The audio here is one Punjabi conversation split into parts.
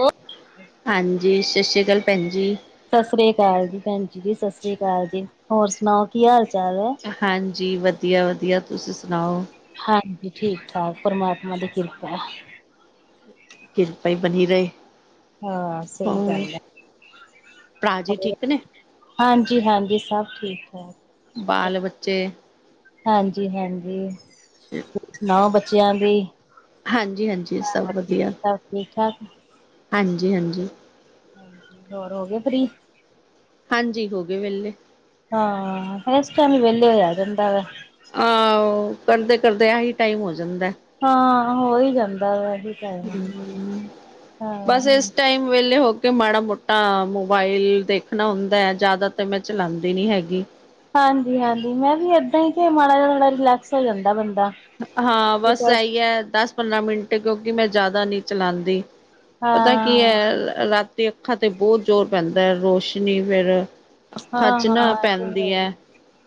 ਓ ਹਾਂਜੀ, ਸ਼ਸ਼ੀ ਅਕਾਲ ਭੈਣ ਜੀ। ਸ਼ਸ਼ੀ ਕਾਲ ਜੀ ਭੈਣ ਜੀ, ਸ਼ਸ਼ੀ ਕਾਲ ਜੀ। ਹੋਰ ਸੁਨਾਓ ਕੀ ਹਾਲ ਚਾਲ ਐ? ਹਾਂਜੀ ਵਧੀਆ-ਵਧੀਆ ਤੁਸੀਂ ਸੁਨਾਓ? ਹਾਂਜੀ, ਠੀਕ-ਠਾਕ ਪਰਮਾਤਮਾ ਦੀ ਕਿਰਪਾ ਐ। ਕਿਰਪਾ ਈ ਬਨੀ ਰਏ। ਹਾਂ ਸਹੀ ਹਾਂ, ਗੱਲ ਹੈ ਭਰਾ ਜੀ ਠੀਕ ਨੇ? ਹਾਂਜੀ-ਹਾਂਜੀ, ਸਭ ਠੀਕ ਐ। ਬਾਲ ਬੱਚੇ ਹਾਂਜੀ-ਹਾਂਜੀ। [unintelligible] ਸੁਨਾਓ ਬੱਚੇਆਂ ਦੀ ਹਾਂਜੀ-ਹਾਂਜੀ ਸਭ ਵਧੀਆ, ਸਭ ਠੀਕ ਠਾਕ ਹਾਂਜੀ-ਹਾਂਜੀ। ਗੋਰ ਹੋ ਗੇ ਫ਼ਰੀ? ਹਾਂਜੀ, ਹੋ ਗੇ ਵੇਲੇ। ਹਾਂ, ਏਸ ਟੈਮ ਈ ਵੇਲੇ ਹੋਏਆ ਜਾਂਦਾ ਵੈ। ਆਓ ਕਰਦੇ-ਕਰਦੇ ਆਹੀ ਟਾਈਮ ਹੋ ਜਾਂਦੈ। ਹਾਂ, ਹੋਈ ਜਾਂਦਾ ਵਾ ਜੀ। ਹੂੰ, ਬਸ ਇਸ ਟਾਈਮ ਵੇਲੇ ਹੋ ਕੇ ਮਾੜਾ ਮੋਟਾ ਮੋਬਾਈਲ ਦੇਖਣਾ ਹੁੰਦਾ ਐ, ਜਾਦਾ ਤਾਂ ਮੈਂ ਚਲਾਂਦੀ ਨੀ ਹੈਗੀ। ਹਾਂਜੀ-ਹਾਂਜੀ, ਮੈਂ ਵੀ ਏਦਾ ਈ ਕਿ ਮਾੜਾ ਜ ਥੋੜਾ ਰਿਲੈਕਸ ਹੋ ਜਾਂਦਾ ਬੰਦਾ। ਹਾਂ ਬਸ ਐਈ ਐ, ਦਸ ਪੰਦਰਾਂ ਮਿੰਟ ਕਿਉਂਕਿ ਮੈਂ ਜਾਦਾ ਨੀ ਚਲਾਂਦੀ। ਪਤਾ ਕੀ ਹਾਂ ਐ, ਰਾਤੀ ਅੱਖਾਂ ਤੇ ਬੋਤ ਜ਼ੋਰ ਪੈਂਦਾ ਰੋਸ਼ਨੀ ਫਿਰ ਅੱਖਾਂ 'ਚ ਨਾ ਹਾਂ-ਹਾਂ ਇਹ ਤੇ ਪੈਂਦੀ ਹੈ ਐ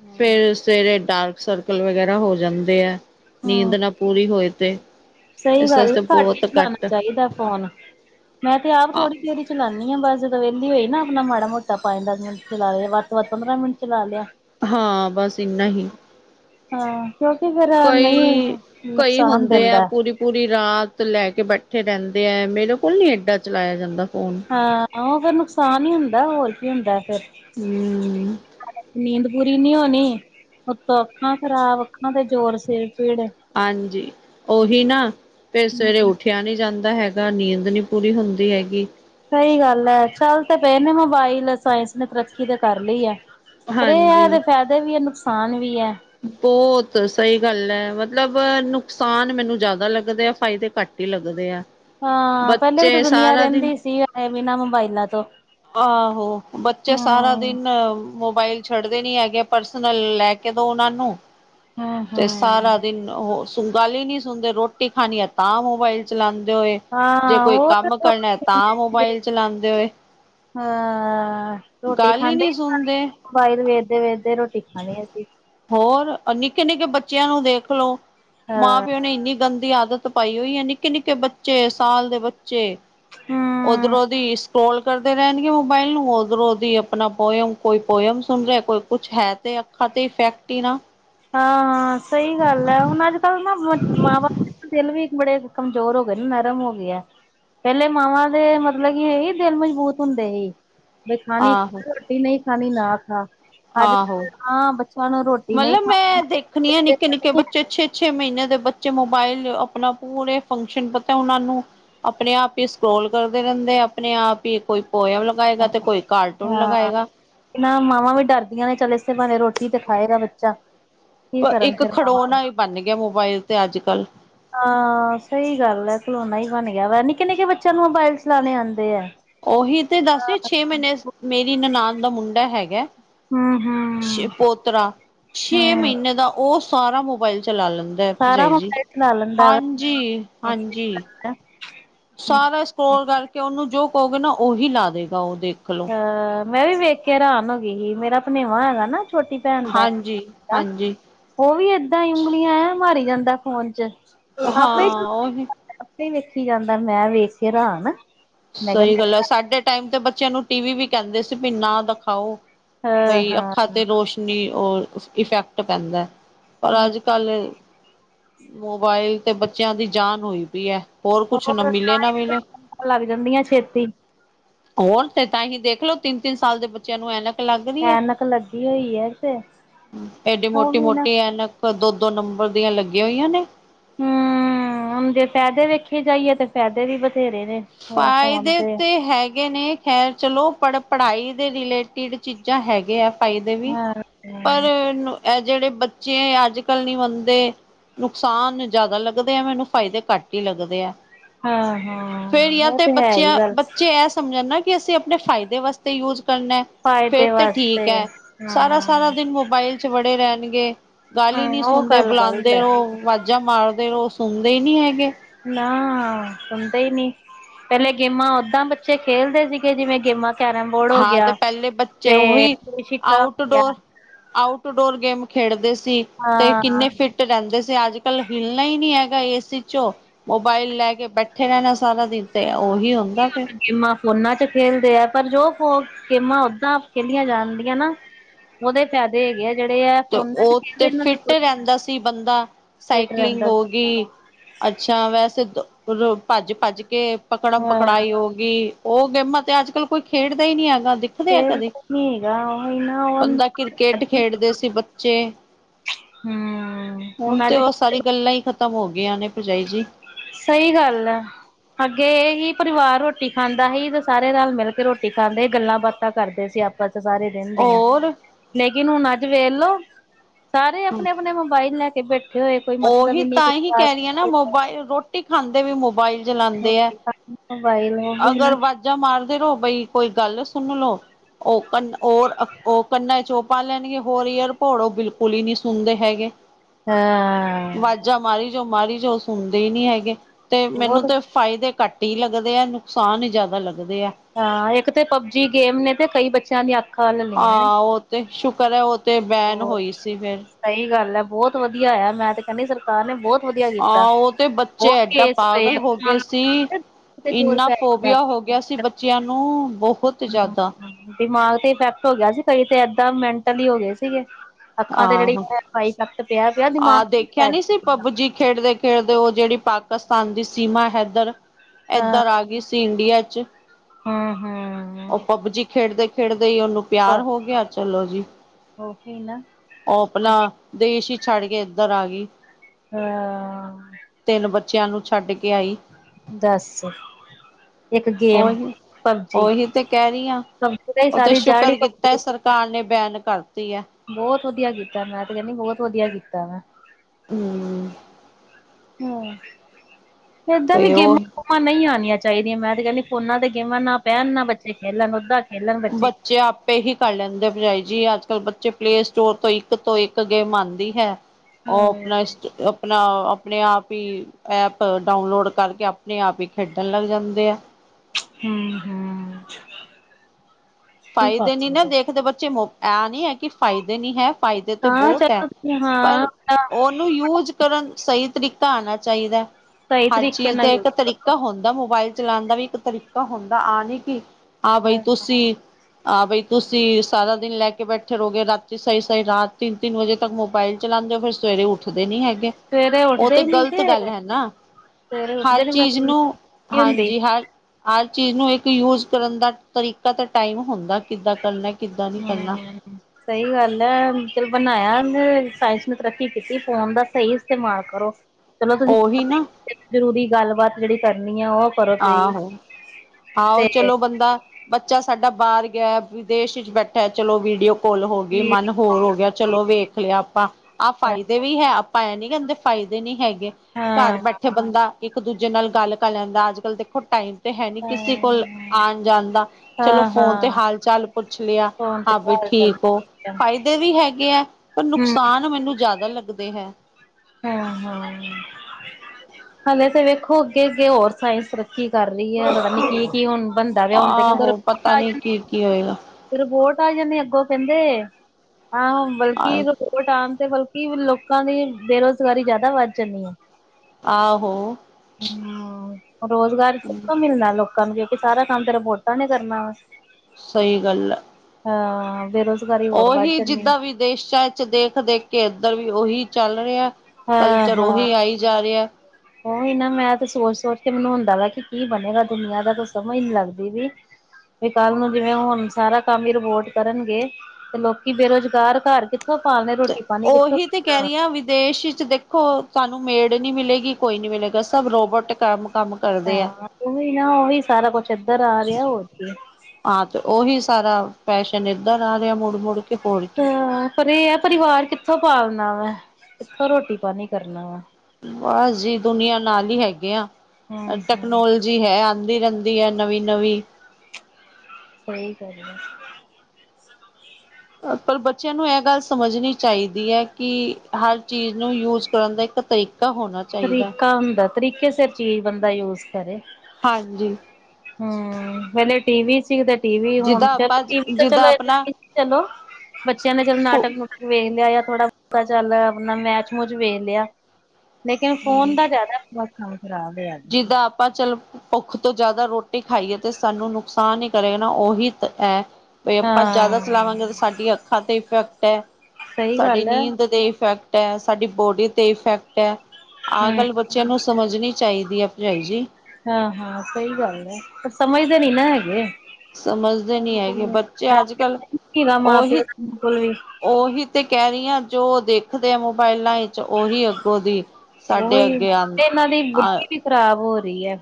ਹੀ। ਫੇਰ ਸਵੇਰੇ ਡਾਰਕ ਸਰਕਲ ਵਗੈਰਾ ਹੋ ਜਾਂਦੇ ਐ ਨੀਂਦ ਨਾ ਪੂਰੀ ਹੋਏ ਤੇ। ਸਈ ਇਸ ਗੱਲ ਵਾਸਤੇ ਘੱਟ ਈ ਬਹੁਤ ਚਲਾਨਾ ਘੱਟ ਚਾਈਦਾ ਫੋਨ। ਮੈਂ ਤੇ ਆਪ ਥੋੜ੍ਹੀ ਦੇਰ ਈਂ ਚਲਾਨੀ ਆ ਬਸ ਜਦੋ ਵੇਲੀ ਹੋਈ ਨਾ ਆਪਣਾ ਮਾੜਾ ਮੋਟਾ ਪੰਜ ਦਸ ਮਿੰਟ ਚਲਾ ਲੇ ਬਸ। ਵੱਧ ਪੰਦਰਾਂ ਮਿੰਟ ਚਲਾ ਲਯਾ। ਹਾਂ, ਬਸ ਇੰਨਾ ਹੀ। ਹਾਂ ਕਿਉਂਕਿ ਫੇਰ ਨਈ ਕੋਈ ਕਈ ਨੁਕਸਾਨ ਹੁੰਦੇ ਆ ਦੇਂਦਾ। ਪੂਰੀ ਪੂਰੀ ਰਾਤ ਲੈ ਕੇ ਬੈਠੇ ਰੈਂਦੇ ਐ ਮੇਰੇ ਕੋਲ ਨੀ ਏਡਾ ਚਲਾਯਾ ਜਾਂਦਾ ਫ਼ੋਨ। ਹਾਂ ਓ ਫਿਰ ਨੁਕਸਾਨ ਈ ਹੁੰਦਾ ਹੋਰ ਕੀ ਹੁੰਦਾ ਫਿਰ। ਹੂੰ। ਨੀਂਦ ਪੂਰੀ ਨੀ ਹੋਨੀ, ਉਤੋ ਅੱਖਾਂ ਖ਼ਰਾਬ ਅੱਖਾਂ ਤੇ ਜ਼ੋਰ ਸਿਰ ਪੀੜ। ਹਾਂਜੀ, ਓਹੀ ਨਾ ਫਿਰ ਸਵੇਰੇ ਹੂੰ ਉੱਠ ਠਯਾ ਨੀ ਜਾਂਦਾ ਹੈਗਾ, ਨੀਂਦ ਨੀ ਪੂਰੀ ਹੁੰਦੀ ਹੈਗੀ। ਸਈ ਗੱਲ ਐ, ਚੱਲ ਤੇ ਪਏ ਨੇ ਮੋਬਾਇਲ ਸਾਇੰਸ ਨੇ ਤਰੱਕੀ ਤੇ ਕਰ ਲਈ ਐ। ਪਰ ਏ ਐ ਹਾਂਜੀ ਏਦੇ ਫ਼ੈਦੇ ਵੀ ਐ, ਨੁਕਸਾਨ ਵੀਐ। ਬੋਤ ਸਈ ਗੱਲ ਐ ਮਤਲਬ ਨੁਕਸਾਨ ਮੈਨੂੰ ਜਾਦਾ ਲੱਗਦੇ ਆ ਫਾਇਦੇ ਘੱਟ। ਈ ਲੱਗਦੇ ਐ। ਹਾਂ ਪੈਲੇ ਵੀ ਤਾਂ ਦੁਨੀਆਂ ਰੈਂਦੀ ਸੀ ਐ ਬਿਨ੍ਹਾ ਮੋਬਾਇਲਾਂ ਤੋਂ। ਆਹੋ, ਬੱਚੇ ਸਾਰਾ ਹਮ ਦਿਨ ਮੋਬਾਇਲ ਛੱਡਦੇ ਨੀ ਹੈਗੇ, ਪਰਸਨਲ ਲੈ ਕੇ ਦੋ ਉਹਨਾਂ ਨੂੰ ਹਮ ਤੇ ਹਮ ਸਾਰਾ ਦਿਨ ਉਹ ਗੱਲ ਈ ਨੀ ਸੁਣਦੇ, ਰੋਟੀ ਖਾਣੀ ਐ ਤਾਂ ਮੋਬਾਇਲ ਚਲਾਂਦੇ ਹੋਏ। ਜੇ ਹਾਂ ਕੋਈ ਉਹ ਕੰਮ ਕਰਨਾ ਤਾਂ ਮੋਬਾਇਲ ਚਲਾਂਦੇ ਹੋਏ। ਆ ਆ ਰੋਟੀ ਗੱਲ ਹੀ ਖਾਂਦੇ ਨਹੀਂ ਈ ਸੁਣਦੇ ਮੋਬਾਈਲ ਵੇਖਦੇ- ਵੇਖਦੇ ਰੋਟੀ ਖਾਣੀ ਅਸੀਂ ਹੋਰ, ਨਿੱਕੇ- ਨਿੱਕੇ ਬੱਚਿਆਂ ਨੂੰ ਦੇਖਲੋ ਮਾਂ- ਪਿਓ ਨੇ ਇੰਨੀ ਗੰਦੀ ਆਦਤ ਪਾਈ ਉਈ ਐ, ਨਿੱਕੇ-ਨਿੱਕੇ ਬੱਚੇ ਸਾਲ ਦੇ ਬੱਚੇ ਬਚੇ, ਹਮ ਉਧਰੋ ਉਦੀ ਕੌਲ ਕਰਦੇ ਰਹਿਣਗੇ ਮੋਬਾਇਲ ਨੂੰ ਉਧਰੋਂ ਉਦੀ ਆਪਣਾ ਪੋਇਮ ਕੋਈ ਪੋਇਮ ਸੁਣਦੇ ਆ ਕੋਈ ਕੁਛ ਹੈ ਤੇ ਖਤੇ ਫੈਕਟੀ ਨਾ ਹਾਂ- ਹਾਂ ਸਹੀ ਗੱਲ ਐ, ਹੁਣ ਅੱਜ -ਕੱਲ ਨਾ ਬ ਮਾਂ -ਬਾਪ ਦਾ ਦਿਲ ਵੀ ਬੜੇ ਕਮਜ਼ੋਰ ਹੋ ਗਏ ਨੇ, ਨਰਮ ਹੋ ਗਏ ਆ। ਪਹਿਲੇ ਮਾਵਾਂ ਦੇ ਮਤਲਬ ਕੀ ਇਹੀ ਦਿਲ ਮਜ਼ਬੂਤ ਹੁੰਦੇ ਹੀ। ਨਈ ਖਾਣੀ, ਆਹੋ ਰੋਟੀ ਨਹੀਂ ਖਾਣੀ ਨਾ ਖਾ। ਅੱਜ -ਕੱਲ ਆਂ ਬੱਚਿਆਂ ਨੂੰ ਰੋਟੀ ਨਹੀਂ ਖਾਣੀ ਐ ਦੇਖਣੀ ਆ ਨਿੱਕੇ- ਨਿੱਕੇ ਬੱਚੇ ਛੇ- ਛੇ ਮਹੀਨੇ ਦੇ ਬੱ ਚੇ ਮੋਬਾਇਲ ਆਪਣਾ ਪੂਰੇ ਫੰਕਸ਼ਨ ਪਤਾ ਉਹਨਾਂ ਨੂੰ ਆਪਣੇ ਆਪ ਈ ਸਕਰੋਲ ਕਰਦੇ ਰਹਿੰਦੇ ਆ, ਆਪਣੇ ਆਪ ਈ ਕੋਈ ਪੋਇਮ ਲਾਏਗਾ ਤੇ ਕੋਈ ਕਾਰਟੂਨ ਹਾਂ ਲਗਾਏਗਾ। ਨਾ ਮਾਵਾਂ ਵੀ ਡਰਦੀਆਂ ਨੇ ਚੱਲ ਇਸੇ ਬਹਾਨੇ ਰੋਟੀ ਤੇ ਖਾਏਗਾ ਬੱਚਾ। ਕੀ ਅਹ ਕਰਨ ਇੱਕ ਫਿਰ ਮਾਵਾਂ ਵੀ ਖੜੋਣਾ ਈ ਬਣ ਗਿਆ ਮੋਬਾਇਲ ਤੇ ਅੱਜ- ਕੱਲ੍ਹ ਹਾਂ ਸਈ ਗੱਲ ਐ ਖਿਲੋਣਾ ਈ ਬਣ ਗਿਆ ਵਾ, ਨਿੱਕੇ- ਨਿੱਕੇ ਬੱਚਿਆਂ ਨੂੰ ਮੋਬਾਇਲ ਚਲਾਣੇ ਆਂਦੇ ਆ। ਓਹੀ ਤੇ ਦੱਸ ਛੇ -ਮਹੀਨੇ ਮੇਰੀ ਨਨਾਨ ਦਾ ਮੁੰਡਾ ਹੈਗਾ ਹਮ ਹਮ ਛ ਪੋਤਰਾ, ਛੇ ਮਹੀਨੇ ਦਾ ਉਹ ਸਾਰਾ ਮੋਬਾਈਲ ਚਲਾ ਲੈਂਦਾ। ਦਾ ਸਾਰਾ ਭਰਜਾਈ ਜੀ, ਮੋਬਾਇਲ ਚਲਾ ਲੈਂਦਾ ਵਾ ਹਾਂਜੀ ਹਾਂਜੀ। ਸਾਰਾ ਸਕਰੋਲ ਕਰਕੇ ਉਹਨੂੰ ਜੋ ਕਹੋਗੇ ਨਾ ਉਹੀ ਲਾ ਦੇਗਾ ਉਹ ਦੇਖਲੋ। ਅਮ, ਮੈਂ ਵੀ ਵੇਖ ਕੇ ਹੈਰਾਨ ਹੋ ਗਈ ਹੀ ਮੇਰਾ ਭਨੇਵਾਂ ਹੈਗਾ ਨਾ ਛੋਟੀ ਭੈਣ ਦਾ ਹਾਂਜੀ ਮੁੰਡਾ ਹਾਂਜੀ ਉਹ ਵੀ ਏਦਾਂ ਈ ਉਂਗਲੀਆਂ ਐ ਮਾਰੀ ਜਾਂਦਾ ਫੋਨ 'ਚ ਆਪੇ ਹਾਂ ਉਹੀ ਆਪੇ ਈ ਵੇਖੀ ਜਾਂਦਾ ਮੈਂ ਵੇਖੇ ਕੇ ਹੈਰਾਨ ਮੈਂ ਸਹੀ ਗੱਲ ਐ ਕਿਹਾ ਸਾਡੇ ਟਾਈਮ ਤੇ ਬੱਚਿਆਂ ਨੂੰ ਟੀ- ਵੀ ਵੀ ਕਹਿੰਦੇ ਸੀ ਵੀ ਨਾ ਦਿਖਾਓ। ਹਾਂ ਬਈ ਹਾਂ ਅੱਖਾਂ ਤੇ ਰੋਸ਼ ਨੀ ਉਹ ਇਫੈਕਟ ਪੈਂਦਾ ਪਰ ਅੱਜ- ਕੱਲ ਮੋਬਾਇਲ ਤੇ ਬੱਚਿਆਂ ਦੀ ਜਾਨ ਹੋਈ ਪਈ ਐ, ਹੋਰ ਕੁਛ ਨਾ ਮਿਲੇ ਨਾ ਮਿਲੇ ਲੱਗ ਜਾਂਦੀਆਂ ਛੇਤੀ ਹੁਣ ਤੇ ਤਾਂਹੀ ਦੇਖਲੋ ਤਿੰਨ- ਤਿੰਨ ਸਾਲ ਦੇ ਬੱ ਚਿਆਂ ਨੂੰ ਐਨਕ ਲੱਗਦੀ ਐ, ਐਨਕ ਲੱਗੀ ਹੋਈ ਹੈ ਤੇ ਐਡੀ ਉਹ ਮੋਟੀ- ਵੀ ਨਾ ਮੋਟੀ ਐਨਕ ਦੋ- ਦੋ ਨੰਬਰ ਦੀਆਂ ਲੱਗੀਆਂ ਹੋਈਆਂ ਨੇ। ਹਮ ਹੁਣ ਜੇ ਫਾਇਦੇ ਵੇਖੀ ਜਾਈਏ ਤੇ ਫਾਇਦੇ ਵੀ ਬਥੇਰੇ ਨੇ ਉਹ ਫੋਨ ਫਾਇਦੇ ਦੇ ਤੇ ਹੈਗੇ ਨੇ ਹੈ ਚਲੋ ਪੜ੍ਹ -ਪੜ੍ਹਾਈ ਦੇ ਰਿਲੇਟਿਡ ਚੀਜ਼ਾਂ ਹੈਗੇ ਆ ਫਾਈਦੇ ਵੀ, ਪਰ ਹਾਂ ਇਹ ਜਿਹੜੇ ਬੱਚੇ ਅੱਜ- ਕੱਲ੍ਹ ਨੀ ਮੰਨਦੇ ਨੁਕਸਾਨ ਜ਼ਿਆਦਾ ਲੱਗਦੇ ਆ ਮੈਨੂੰ, ਫਾਇਦੇ ਘੱਟ ਈ ਲੱਗਦੇ ਆ। ਹਾਂ-ਹਾਂ ਫਿਰ ਜਾਂ ਇਹ ਤੇ ਹੈ ਹੀ ਬੱਚਿਆਂ ਗੱਲ ਬੱਚੇ ਐ ਸਮਝਣ ਨਾ ਕਿ ਅਸੀਂ ਆਪਣੇ ਫਾਇਦੇ ਵਾਸਤੇ ਯੂਜ ਕਰਨਾ। ਫਿਰ ਫਾਇਦੇ ਤੇ ਠੀਕ ਵਾਸਤੇ ਐ ਆ ਸਾਰਾ-ਸਾਰਾ ਦਿਨ ਮੋਬਾਈਲ 'ਚ ਵੜੇ ਰੈਂਣਗੇ। ਗੱਲ ਈ ਨੀ ਹਾਂ-ਹਾਂ ਉਹ ਸੁਣਦੇ ਗੱਲ ਗ਼ਲਤ ਬੁਲਾਉਂਦੇ ਹੈ ਰਓ ਵਾਜਾਂ ਮਾਰਦੇ ਰਓ ਸੁਣਦੇ ਈ ਨੀ ਹੈਗੇ। ਨਾ ਸੁਣਦੇ ਈ ਨੀ। ਪੈਲੇ ਗੇਮਾਂ ਓਦਾਂ ਬੱਚੇ ਖੇਲਦੇ ਸੀਗੇ ਜਿਵੇਂ ਗੇਮਾਂ ਕੈਰਮ ਬੋਰਡ ਹੋ ਹਾਂ ਤੇ ਗਿਆ ਪਹਿਲੇ ਬੱਚੇ ਤੇ ਉਹੀ [unintelligible] ਸ਼ਿੱਕਾ ਹੋ ਗਿਆ। ਆਊਟਡੋਰ ਆਊਟਡੋਰ ਗੇਮ ਖੇਡਦੇ ਸੀ ਤੇ ਕਿੰਨੇ ਹਾਂ-ਹਾਂ ਫਿਟ ਟ ਰੈਂਦੇ ਸੀ ਅੱਜ ਕੱਲ ਹਿਲਣਾ ਈ ਨੀ ਹੈਗਾ ਏ ਸੀ 'ਚੋਂ ਮੋਬਾਇਲ ਲੈ ਕੇ ਬੈਠੇ ਠੇ ਰੈਂਣਾ ਸਾਰਾ ਦਿਨ ਤੇ ਉਹੀ ਹੁੰਦਾ ਫਿਰ ਗੇਮਾਂ ਫੋਨਾਂ 'ਚ ਖੇਲਦੇ ਆ ਪਰ ਜੋ ਫੋ ਗੇਮਾਂ ਓਦਾਂ ਖੇਲੀਆਂ ਜਾਂਦੀਆਂ ਨਾ। ਉਦੇ ਫੈਦੇ ਹੈਗੇ ਆ। ਜਿਹੜੇ ਆ ਤੇ ਫੋਨਾਂ ਚ ਓ ਖੇਲਦੇ ਤੇ ਇਹਨਾਂ ਦਾ ਫਿਟ ਕੋਈ ਰੈਂਦਾ ਸੀ ਬੰਦਾ ਫਿਟ ਸਾਈਕਲਿੰਗ ਰਹਿੰਦਾ ਹੋ ਗਈ। ਅੱਛਾ ਵੈਸੇ [unintelligible] ਭੱਜ ਭੱਜ ਕੇ ਪਕੜਮ ਹਾਂ ਪਕੜਾਈ ਹੋ ਗੀ। ਓ ਗੇਮਾਂ ਤੇ ਅੱਜ ਕੱਲ ਕੋਈ ਖੇਡਦਾ ਈ ਨੀ ਹੈਗਾ ਦਿ ਆ ਫੇਰ ਕਦੀ ਨੀ ਹੈਗਾ ਉਹੀ ਨਾ ਬੰਦਾ ਉਹਨੂੰ ਕ੍ਰਿਕਟ ਖੇਡਦੇ ਸੀ ਬੱਚੇ ਹਮ ਹੁਣ ਤੇ ਅੱਜ ਬਸ ਸਾਰੀ ਕੱਲ ਗੱਲਾਂ ਈ ਖ਼ਤਮ ਹੋ ਗਈਆਂ ਨੇ ਭਰਜਾਈ ਜੀ। ਸਈ ਗੱਲ ਐ। ਅੱਗੇ ਇਹ ਹੀ ਪਰਿਵਾਰ ਰੋਟੀ ਖਾਂਦਾ ਹੀ ਤੇ ਸਾਰੇ ਰਲ ਮਿਲ ਕੇ ਰੋਟੀ ਖਾਂਦੇ ਗੱਲਾਂ ਬਾਤਾਂ ਕਰਦੇ ਸੀ ਅਪ 'ਚ ਸਾਰੇ ਦਿਨ ਦੀਆਂ ਆ ਹੋਰ ਲੇਕਿਨ ਹੁਣ ਅੱਜ ਵੇ ਲੋ। ਸਾਰੇ ਆਪਣੇ-ਆਪਣੇ ਮੋਬਾਈਲ ਲੈ ਕੇ ਬੈ ਉਹੀ ਤਾਂ ਹੀ ਕੈ ਰਈ ਆਂ ਨਾ ਮੋਬਾਇਲ ਰੋਟੀ ਖਾਂਦੇ ਵੀ ਮੋਬਾਈਲ ਰੋਟੀ ਖਾਂਦੇ ਮੋਬਾਈਲ ਉਹੀ ਨਾ ਅਗਰ ਵਾਜ਼ਾਂ ਮਾਰਦੇ ਰਓ ਬਈ ਕੋਈ ਗੱਲ ਸੁਣ ਲਓ। ਓ ਕੰ ਔਰ ਓ ਕੰਨਾਂ 'ਚ ਓ ਪਾ ਲੈਣਗੇ ਹੋਰ ਯਾਰ ਭੋੜ ਓ ਬਿਲਕੁਲ ਈ ਨਈ ਸੁਣਦੇ ਹੈਗੇ। ਹਾਂ ਵਾਜਾ ਮਾਰੀ ਜਾਓ-ਮਾਰੀ ਜਾਓ ਸੁਣਦੇ ਈ ਨੀ ਹੈਗੇ ਤੇ ਮੈਨੂੰ ਹੋਰ ਤੇ ਫੈਦੇ ਘੱਟ ਟ ਈ ਲੱਗਦੇ ਆ ਨੁਕਸਾਨ ਜਾਦਾ ਲੱਗਦੇ ਆ। ਹਾਂ ਇੱਕ ਤੇ ਪਬਜੀ ਗੇਮ ਨੇ ਤੇ ਕਈ ਬੱਚਿਆਂ ਦੀਆਂ ਅੱਖਾਂ ਲੈ ਲਈਆਂ ਨੇ ਹਾਂ ਓ ਤੇ ਸ਼ੁਕਰ ਹੈ ਓ ਤੇ ਬੈਨ ਹੋਈ ਸੀ ਫਿਰ ਸਈ ਗੱਲ ਐ ਬੋਤ ਵਧੀਆ ਆ ਮੈਂ ਤੇ ਕੈਂਦੀ ਸਰਕਾਰ ਨੇ ਬੋਤ ਵਧੀਆ ਕੀਤਾ ਹਾਂ ਉਹ ਤੇ ਬੱਚੇ ਬੋਤ ਐਡਾ ਕੇਸ ਹੋਏ ਪਾਗਲ ਹੋ ਆਪਣਾ ਗਏ ਸੀ ਜਿਥੇ ਜ਼ੋਰ ਪੈ ਗਿਆ ਪੈ ਗਿਆ। ਕਿਆ ਸੀ ਬੱਚਿਆਂ ਨੂੰ ਬਹੁਤ ਜ਼ਿਆਦਾ ਦਿਮਾਗ ਤੇ ਇਫੈਕਟ ਹੋ ਗਿਆ ਸੀ ਕਈ ਤੇ ਏਦਾਂ ਮੈਂਟਲੀ ਹੋ ਗਏ ਸੀਗੇ। ਅੱਖਾਂ ਤੇ ਜੇੜੀ ਆਹੋ ਆਈਫਕਟ ਪਿਆ ਸੀਗਾ ਦਿਮਾਗ ਪੈ ਖੇਡਦੇ-ਖੇਡਦੇ ਓ ਜੇੜੀ ਪਾਕਿਸਤਾਨ ਦੀ ਸੀਮਾ ਹੈਧਰ ਇਧਰ ਆ ਗੀ ਸੀ ਇੰਡੀਆ 'ਚ ਹਾਂ-ਹਾਂ। ਓ ਪਬਜੀ ਖੇਡਦੇ-ਖੇਡਦੇ ਈ ਉਨੂੰ ਪਿਆਰ ਹੋ ਗਿਆ ਚਲੋ ਜੀ ਉਹੀ ਨਾ ਓ ਆਪਣਾ ਦੇਸ਼ ਈ ਛੱਡ ਕੇ ਇੱਧਰ ਆ ਗਈ। ਹਾਂ ਤਿੰਨ ਬੱਚਿਆਂ ਨੂੰ ਛੱਡ ਕੇ ਆਈ। ਦੱਸ, ਇੱਕ ਗੇਮ ਉਹੀ ਪਬਜੀ। ਉਹੀ ਤੇ ਕਹਿ ਰਹੀ ਹਾਂ, ਪਬਜੀ ਦਾ ਹੀ ਉਹ ਤੇ ਸਾਰੀ ਜੜ ਹੀ ਸ਼ੁਕਰ ਕੀਤਾ ਸਰਕਾਰ ਨੇ ਬੈਨ ਕਰਤੀ ਹੈ। ਬੋਤ ਵਧੀਆ ਕੀਤਾ ਮੈਂ ਤੇ ਕਹਿੰਦੀ ਬੋਤ ਵਧੀਆ ਕੀਤਾ ਵਾਂ। ਹੂੰ ਹਾਂ ਏਦਾ ਵੀ ਤੇ ਗੇਮਾ, ਉਹ ਗੇਮਾਂ ਨਹੀਂ ਆਉਣੀਆਂ ਚਾਹੀਦੀਆਂ ਮੈਂ ਤੇ ਕਹਿੰਦੀ ਫੋਨਾਂ ਤੇ ਗੇਮਾਂ ਨਾ ਪਹਿਣ ਨਾ ਬੱਚੇ ਖੇਲਣ ਓਦਾਂ ਖੇਲਣ ਬੱਚੇ। ਬਚੇ ਆਪੇ ਹੀ ਕਰ ਲੈਂਦੇ ਭਰਜਾਈ ਜੀ ਅੱਜ ਕੱਲ ਬੱਚੇ ਪਲੇ ਸਟੋਰ ਤੋਂ ਇੱਕ ਤੋਂ ਇੱਕ ਗੇਮ ਆਉਂਦੀ ਹੈ। ਉਹ ਹਮ ਆਪਣਾ, ਆਪਣਾ, ਆਪਣੇ ਆਪ ਹੀ। ਐਪ ਡਾਊਨਲੋਡ ਕਰਕੇ ਆਪਣੇ ਆਪ ਹੀ ਖੇਡਣ ਲੱਗ ਜਾਂਦੇ ਐ। ਹੂੰ -ਹੂੰ। ਫਾਇਦੇ ਨੀ ਨਾ ਦੇਖਦੇ ਬੱਚੇ, ਮੋ ਐ ਨੀ ਹੈ ਕਿ ਫਾਇਦੇ ਨੀ ਹੈ। ਫਾਇਦੇ ਤੇ ਹਾਂ ਬੋਤ ਹੈ, ਚਲੋ ਤੁਸੀਂ ਹਾਂ ਪਰ ਉਹਨੂੰ ਯੂਜ- ਕਰਨ ਸਹੀ ਤਰੀਕਾ ਆਉਣਾ ਚਾਹੀਦਾ, ਸਹੀ ਹਰ ਤਰੀਕੇ ਚੀਜ਼ ਨਾਲ ਦਾ ਯੂਜ ਇੱਕ ਤਰੀ- ਕਰੋ ਕਾ ਹੁੰਦਾ ਮੋਬਾਇਲ ਚਲਾਉਣ ਦਾ ਵੀ ਇੱਕ ਤਰੀਕਾ ਹੁੰਦਾ, ਆ ਨੀ ਕਿ ਆਹ ਬਈ ਹਾਂ ਤੁਸੀਂ। ਆਹ ਬਈ ਤੁਸੀਂ ਸਾਰਾ ਦਿਨ ਲੈ ਕੇ ਬੈਠੇ ਰਹੋਗੇ ਰਾਤੀ ਸਹੀ- ਸਹੀ ਰਾਤ ਤਿੰਨ -ਤਿੰਨ ਵਜੇ, ਤਕ ਮੋਬਾਇਲ ਚਲਾਉਂਦੇ ਹੋ ਫੇਰ ਸਵੇਰੇ ਉੱਠਦੇ ਨੀ ਹੈਗੇ, ਸਵੇਰੇ ਉਹ ਉੱਠਦੇ ਤੇ ਹੀ ਨੀ ਗ਼ਲਤ ਗੱਲ ਹੈ ਨਾ। ਸਵੇਰੇ ਹਰ ਉੱਠਦੇ ਨੀ ਚੀਜ਼ ਨੂੰ, ਕੀ ਹੁੰਦੀ ਹਾਂਜੀ ਹਰ- ਹਰ ਚੀਜ਼ ਨੂੰ ਇੱਕ ਯੂਜ ਕਰਨ ਦਾ ਤਰੀਕਾ ਤੇ ਟਾਈਮ ਹੁੰਦਾ। ਕਿੱਦਾਂ ਕਰਨਾ, ਕਿੱਦਾਂ ਨੀ ਕਰਨਾ। ਹਮ ਸਹੀ ਗੱਲ ਹੈ, ਚਲ ਬਣਾਇਆ ਸਾਇੰਸ ਨੂੰ ਤਰੱਕੀ ਕੀਤੀ ਫੋਨ ਦਾ ਸਹੀ- ਇਸਤੇਮਾਲ ਕਰੋ, ਚਲੋ ਤੁਸੀਂ ਉਹੀ ਨਾ ਜ਼ਰੂਰੀ ਗੱਲਬਾਤ ਜਿਹੜੀ ਕਰਨੀ ਆ ਉਹ- ਕਰੋ ਤੁਸੀਂ ਆਹੋ, ਆਹੋ ਤੇ ਚਲੋ ਬੰਦਾ ਬੱਚਾ ਸਾਡਾ ਬਾਹਰ ਗਿਆ, ਵਿਦੇਸ਼ ਚ ਬੈਠਾ ਚਲੋ ਵੀਡੀਓ ਕਾਲ ਹੋ ਗਈ ਹਾਂ, ਮਨ ਹੋਰ ਹੋ ਗਿਆ ਚਲੋ ਵੇਖ ਲਿਆ ਆਪਾਂ, ਆਹ ਫਾਇਦੇ ਵੀ ਹੈ ਆਪਾਂ ਐ ਨੀ ਕਹਿੰਦੇ ਫਾਇਦੇ ਨੀ ਹੈਗ- ਗੇ ਘਰ ਹਾਂ, ਬੈਠੇ ਬੰਦਾ ਇੱਕ ਦੂਜੇ ਨਾਲ ਗੱਲ ਕਰ ਲੈਂਦਾ ਅੱਜ ਕੱਲ ਦੇਖੋ ਟਾਈਮ ਤੇ ਹੈ ਨੀ ਕਿਸੇ ਕੋਲ ਆਉਣ ਜਾਣ ਦਾ ਚਲੋ ਹਾਂ, ਫੋਨ ਤੇ ਹਾਂ। ਹਾਲ ਚਾਲ ਪੁੱਛ ਲਿਆ ਫੋਨ ਤੇ ਹਾਂ ਬਈ ਗੱਲ ਕਰ ਠੀਕ ਹੋ ਫਾਇਦੇ ਵੀ ਹੈਗੇ ਹੈ। ਤੇ ਹੂੰ, ਨੁਕਸਾਨ ਮੈਨੂੰ ਜ਼ਿਆਦਾ ਲੱਗਦੇ ਹੈ। ਹੂੰ- ਹੂੰ। ਹਲੇ ਤੇ ਵੇਖੋ ਅੱਗੇ- ਅੱਗੇ ਹੋਰ ਸਾਇੰਸ ਤਰੱਕੀ ਕਰ ਰਹੀ ਹੈ ਪਤਾ ਨੀ ਕੀ- ਕੀ ਹੁਣ ਬੰ- ਰੇਹਾ ਹੁਣ ਤੇ ਕਹਿੰਜਾਂ ਆਹੋ ਪਤਾ ਨੀ ਕੀ [unintelligible] ਕੀ ਹੋਏਗਾ ਰਿਬੋਰਟ ਆ ਜਾਂਣੇ ਅੱਗੋਂ ਕਹਿੰਦੇ ਆਹ ਬਲਕਿ ਰਿਬੋ- ਓਸ ਟਾਈਮ ਤੇ ਬਲਕਿ ਲੋਕਾਂ ਦੀ ਬੇਰੁਜ਼ਗਾਰੀ ਜ਼ਿਆਦਾ ਵੱਧ ਜਾਂਣੀ ਹੈ। ਆਹੋ। ਹੂੰ ਰੋਜ਼ਗਾਰ ਕਿਥੋ ਮਿਲਣਾ ਲੋਕ- ਲੋਕਾਂ ਨੂੰ ਵੇਖ ਕੇ ਸਾਰਾ ਕੰਮ ਤੇਰਾ ਵੋਟਾਂ ਨੇ ਕਰਨਾ ਐ। ਸਹੀ ਗੱਲ ਆ। ਹਾਂ ਬੇਰੁਜ਼ਗਾਰੀ ਹੋਰ ਵੱਧ ਜਾਂਣੀ ਆ। ਜਿੱਦਾਂ ਵਿਦੇਸ਼ਾਂ ਚ ਦੇਖ-ਦੇਖ ਕੇ ਇੱਧਰ ਵੀ ਉਹੀ ਚੱਲ ਰਿਹਾ, ਕਲਚਰ ਹਾਂ-ਹਾਂ ਉਹੀ ਆਈ ਜਾ ਰਿਹਾ। ਉਹੀ ਨਾ ਮੈਂ ਤੇ ਸੋਚ-ਸੋਚ ਕੇ ਮੈਨੂੰ ਹੁੰਦਾ ਵਾ ਕਿ, ਕੀ ਬਣੇਗਾ ਦੁਨੀਆਂ ਦਾ ਤਾਂ ਸਮਝ ਨ ਲੱਗਦੀ ਵੀ। ਵੀ ਕੱਲ ਨੂੰ ਜਿਵੇਂ ਹੁਣ ਸਾਰਾ ਕੰਮ ਹੀ ਰਿਬੋਟ ਕਰਨਗੇ, ਤੇ ਲੋਕੀ ਬੇਰੁਜ਼ਗਾਰ ਘਰ [unintelligible] ਸ ਪਾਲ ਨੇ ਤੇ ਉਹੀ ਤੇ ਕਹਿ ਰਹੀ ਆ, ਵਿਦੇਸ਼ ਵਿੱਚ ਦੇਖ ਖੋ ਤੁਹਾਨੂੰ ਮੇੜ ਨੀ ਮਿਲੇਗੀ ਕੋਈ ਨੀ ਮਿਲੇਗਾ ਸਭ ਰੋਬੋਟ ਕੰਮ ਹਾਂ ੳਹੀ ਨਾ, ੳਹੀ ਸਾਰਾ ਕੁਛ ਏਧਰ ਆ ਰੇਆ ਹੋਰ ਕੀ ਏ। ਹਾਂ ਤੇ ੳਹੀ ਸਾਰਾ ਫੈਸ਼ਨ ਏਧਰ ਆ ਰੇਆ ਮੁੜ-ਮੁੜ ਕੇ। ਹੋਰ ਕੀ ਹਾ ਪਰ ਏਹ ਆ, ਪਰਿਵਾਰ ਕਿੱਥੋਂ ਪਾਲਨਾ ਵਾ, ਕਿੱਥੋਂ ਰੋਟੀ ਪਾਨੀ ਕਰਨਾ ਵਾ। ਬਸ ਜੀ ਦੁਨੀਆਂ ਨਾਲ ਈ ਹੈਗੇ ਆਂ ਹੂੰ-ਹੂੰ ਟੈਕਨੋਲੋ ਜੀ ਹੈ ਆਦੀ ਰੇਂਦੀ ਐ ਨਵੀ-ਨਵੀਂ। ਸਹੀ ਗੱਲ ਐ। ਪਰ ਬੱਚੇਆਂ ਨੂੰ ਏਹ ਗੱਲ ਸਮਝਣੀ ਚਾਈਦੀ ਐ ਕਿ ਹਰ ਚੀਜ ਨੂੰ ਯੂਜ ਕਰਨ ਦਾ ਇੱਕ ਤਰੀਕਾ ਹੋਨਾ ਤਰੀਕਾ ਹੁੰਦਾ। ਤਰੀਕੇ ਸੇਰ ਚੀਜ ਬੰਦਾ ਯੂਜ ਕਰੇ। ਹਾਂਜੀ। ਹੂੰ ਪੈਲੇ ਟੀਵੀ ਸੀ ਤੇ ਟੀਵੀ ਹੁਨ ਜਿੱਦਾਂ ਚਲੋ ਆਪਾਂ ਟੀਵੀ ਤੇ ਚਲੋ ਜਿੱਦਾਂ ਆਪਣਾ ਇਕ ਬੱਚੇਆਂ ਨੇ ਚਲ ਹੂੰ ਨਾਟਕ ਨੂਟਕ ਵੇਖ ਲਿਆ ਜਾਂ ਥੋੜਾ ਬੋਤਾ ਚੱਲ ਅਪਨਾ ਮੈਚ ਮੂਚ ਵੇਖ ਲੇਆ ਲੇਕਿਨ ਫੋਨ ਦਾ ਜਾਦਾ ਬੋਤ ਕੰਮ ਖਰਾਬ ਜਿੱਦਾ ਆਪਾਂ ਚਲੋ ਭੁੱਖ ਤੋ ਜਾਦਾ ਰੋਟੀ ਖਾਈਏ ਤੇ ਸਾਨੂੰ ਨੁਕਸਾਨ ਈ ਕਰੇ ਨਾ ੳਹੀ ਤੇ ਐ, ਵੀ ਆਪਾਂ ਜਾਦਾ ਹਾਂ ਚਲਾਵਾਂਗੇ ਤਾਂ ਸਾਡੀ ਅੱਖਾਂ ਤੇ ਇਫੈਕਟ ਐ। ਸਹੀ ਸਾਡੀ ਗੱਲ ਹੈ। ਨੀਂਦ ਤੇ ਇਫੈਕਟ ਐ, ਸਾਡੀ ਬੋਡੀ ਤੇ ਇਫੈਕਟ ਐ, ਆ ਹੂੰ ਗੱਲ ਬ ਬੱਚੇਆ ਨੂੰ ਸਮਝਨੀ ਚਾਈਦੀ ਐ ਪਰਜਾਈ ਜੀ। ਹਾਂ-ਹਾਂ ਸਹੀ ਗੱਲ ਏ, ਪਰ ਸਮਝਦੇ ਨੀ ਨਾ ਹੈਗੇ। [inaudible] ਸਮਝਦੇ ਨਹੀਂ ਹੈਗੇ ਬੱਚੇ ਅੱਜ ਕੱਲ ੳਹੀ ਤੇ ਕੈ ਰਹੀ ਆਂ, ਜੋ ਦੇਖਦੇ ਆ ਮੋਬਾਇਲਾਂ ਚ ੳਹੀ ਅੱਗੋਂ ਦੀ ਸਾਡੇ ਉਹੀ ਅੱਗੇ ਆਂਦ ਤੇ ਇਹਨਾਂ ਦੀ ਆ ਬੁੱਧੀ ਵੀ ਖ਼ਰਾਬ ਹੋ ਰਈ ਐ।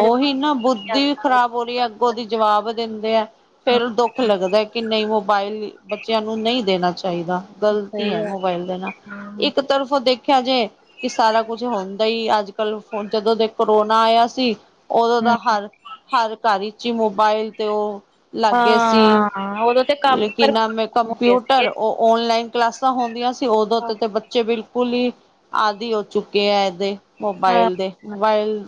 ੳਹੀ ਨਾ ਬੁੱਧੀ ਖ਼ਰਾਬ ਹੋ ਰਹੀ ਐ, ਅੱਗੋਂ ਦੀ ਜਵਾਬ ਦੇਂਦੇ ਆ ਫੇਰ ਦੁੱਖ ਲੱਗਦਾ ਕਿ ਨਈ ਮੋਬਾਇਲ ਬੱਚੇਆਂ ਨੂੰ ਨਈ ਦੇਨਾ ਚਾਈਦਾ, ਗਲਤੀ ਸਹੀ ਐ ਗੱਲ ਮੋਬਾਇਲ ਦੇਨਾ ਹਾਂ ਇੱਕ ਤਰਫੋ ਦੇਖਿਆ ਜਾਏ ਸਾਰਾ ਕੁਛ ਹੁੰਦਾ ਹੀ ਅੱਜ ਕੱਲ ਜਦੋਂ ਦੇ ਕਰੋਨਾ ਆਇਆ ਸੀ। ਓਦੋਂ ਦਾ ਹਾਂਜੀ। ਹਰ ਹਰ ਘਰ ਇਚ ਈ ਮੋਬਾਇਲ ਤੇ ੳਹ ਲਗ ਗਏ ਸੀ। ਹਾਂ, ਉਦੋਂ ਤੇ ਕੰਮ ਹੀ ਕੀ ਬਰਬਾਦ ਨਾਮ ਏ ਹੋ ਗਏ ਕੰਪਿਊਟਰ ਸੀਗੇ। ੳਹ ਔਨਲਾਈਨ ਕਲਾਸਾਂ ਹੁੰਦੀਆਂ ਸੀ ੳਦੋਂ ਦੇ ਤੇ ਬ ਬਚੇ ਬਿਲਕੁਲ ਈ ਆਦੀ ਹੋ ਚੁੱਕੇ ਐ ਏਦੇ ਹਾਂ ਮੋਬਾਇਲ ਦੇ, ਮੋਬਾਇਲ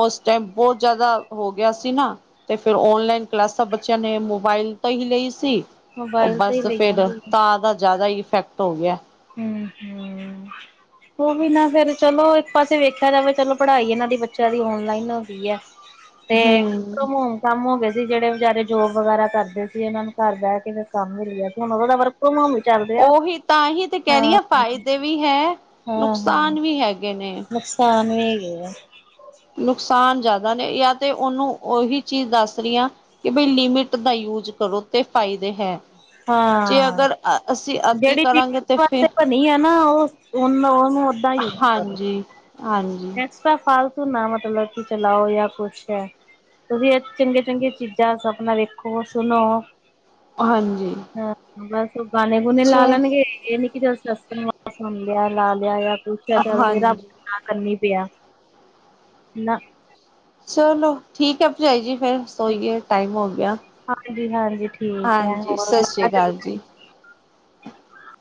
ੳਸ ਟਾਈਮ ਬੋਤ ਜਾਦਾ ਹੋ ਗਿਆ ਸੀ ਨਾ ਤੇ ਫੇਰ ਔਨਲਾਈਨ ਕਲਾਸਾਂ ਬੱਚੇਆਂ ਨੇ ਮੋਬਾਇਲ ਤੋ ਹੀ ਲਈ ਸੀ ਮੋਬਾਇਲ ਤੇ ਹੀ ਬਸ ਲਈਆਂ ਫੇਰ ਸੀਗੀਆਂ ਤਾਂ ਦਾ ਜਾਦਾ ਇਫੈਕਟ ਹੋ ਗਿਆ। ਹੂੰ ਹੂੰ। ੳਵੀ ਨਾ ਫੇਰ ਚਲੋ ਇੱਕ ਪਾਸੇ ਵੇਖਿਆ ਜਾਵੇ ਚਲੋ ਪੜਾਈ ਏਨਾਂ ਦੀ ਬੱਚੇਆਂ ਦੀ ਔਨਲਾਈਨ ਹੋ ਗਈ ਐ। [unintelligible] ਹਮ ਕੰਮ ਹੋ ਗਏ ਸੀ ਜਿਹੜੇ ਵੇਚਾਰੇ ਜੋਬ ਵਗੈਰਾ ਕਰਦੇ ਸੀ ਏਨਾਂ ਨੂੰ ਘਰ ਬੇ ਕੇ ਫੇਰ ਕੰਮ ਮਿਲ ਗਿਆ ਤੇ ਹੁਨ ੳਦੋ ਦਾ ਵਰਕ ਫਰੋਮ ਹੋਮ ਚੱਲਦੇ ਆ। ਉਹੀ ਤਾਂ ਹੀ ਤੇ ਕਹ ਰੀ ਆ ਫਾਇਦੇ ਵੀ ਹੈ ਹਾਂ ਹਾਂ ਨੁਕਸਾਨ ਵੀ ਹੈਗੇ ਨੇ। ਨੁਕਸਾਨ ਵੀ ਹੈਗੇ ਆ। ਨੁਕਸਾਨ ਜਾਦਾ ਨੇ ਜਾਂ ਤੇ ੳਨੂੰ ੳਹੀ ਚੀਜ ਦੱਸ ਰਈ ਆਂ ਕਿ ਬਈ ਲਿਮਿਟ ਦਾ ਯੂਜ ਕਰੋ ਤੇ ਫਾਇਦੇ ਹੈ। ਜੇ ਹਾਂ ਅਗਰ ਅਸੀਂ ਅਤੀ ਜੇੜੀ ਚੀਜ ਕਰਾਂਗੇ ਜਿਸ ਤੇ ਵਾਸਤੇ ਫਿਰ ਬਣੀ ਆ ਨਾ ੳਸ ੳਨ ੳਨੂੰ ੳਦਾਂ ਈ ਯੂਜ ਕਰੋ। ਹਾਂਜੀ ਹਾਂਜੀ। ਇਸ ਤਰਾਂ ਫਾਲਤੂ ਨਾ ਮਤਲਬ ਕਿ ਚਲਾਓ ਜਾ ਕੁੱਛ ਵੀ ਚੰਗੀਆਂ-ਚੰਗੀਆਂ ਚੀਜਾਂ ਅਪਨਾ ਵੇਖੋ, ਸੁਨੋ। ਹਾਂਜੀ। ਹਾਂ ਬਸ ਗਾਣੇ ਗੁਣੇੇ ਚ ਲਾ ਲੈਣਗੇ ਏ ਨੀ ਕੀ ਜ ਅਸ ਸੁਣ ਲਿਆ ਲਾ ਲਿਆ ਜਾਂ ਕੁਛ ਚੱਲ ਵੀ ਰਬ ਹਾਂਜੀ ਕਰਨੀ ਪਿਆ, ਨਾ। ਚਲੋ ਠੀਕ ਏ ਭਰਜਾਈ ਜੀ ਫੇਰ ਸੋਈਏ, ਟਾਈਮ ਹੋ ਗਿਆ। ਹਾਂਜੀ ਹਾਂਜੀ ਠੀਕ ਹੈ ਹਾਂਜੀ, ਸਾਸਰੀ ਹੋਰ ਕਾਲ ਜੀ।